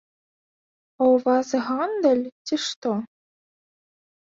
А ў вас гандаль, ці што?